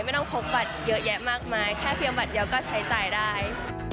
ไม่ต้องพกบัตรเยอะแยะมากมายแค่เพียงบัตรเดียวก็ใช้จ่ายได้